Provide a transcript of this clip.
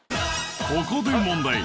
ここで問題